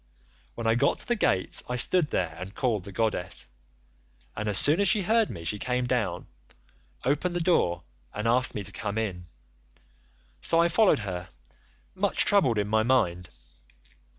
When I got to the gates I stood there and called the goddess, and as soon as she heard me she came down, opened the door, and asked me to come in; so I followed her—much troubled in my mind.